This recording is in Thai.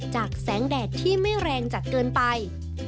จากแสงแดดที่ไม่แรงจัดเกินไป